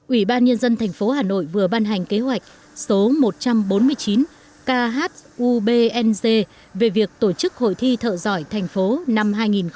ủy ban nhân dân thành phố hà nội vừa ban hành kế hoạch số một trăm bốn mươi chín khubng về việc tổ chức hội thi thợ giỏi thành phố năm hai nghìn một mươi chín